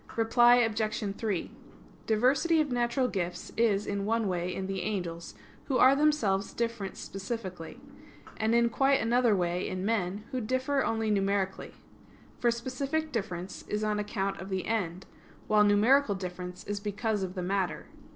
Reply Obj. 3: Diversity of natural gifts is in one way in the angels, who are themselves different specifically; and in quite another way in men, who differ only numerically. For specific difference is on account of the end; while numerical difference is because of the matter.